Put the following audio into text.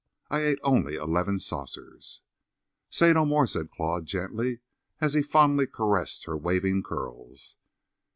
I ate only eleven saucers." "Say no more," said Claude, gently as he fondly caressed her waving curls.